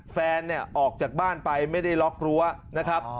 แฟนออกจากบ้านไปไม่ได้ล๊อคร้วนะครับ